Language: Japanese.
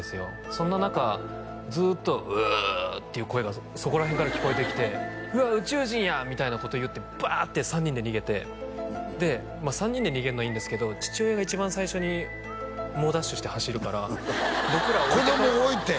そんな中ずっと「ウォ」っていう声がそこら辺から聞こえてきて「うわっ宇宙人や」みたいなこと言ってバーッて３人で逃げてで３人で逃げるのはいいんですけど父親が一番最初に猛ダッシュして走るから僕ら置いて子供置いて？